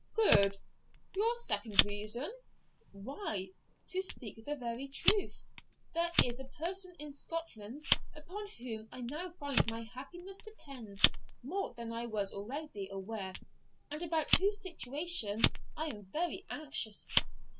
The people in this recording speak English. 'Good, your second reason?' 'Why, to speak the very truth, there is a person in Scotland upon whom I now find my happiness depends more than I was always aware, and about whose situation I am very anxious.'